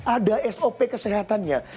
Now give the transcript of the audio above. ada sop kesehatannya